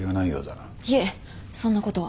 いえそんなことは。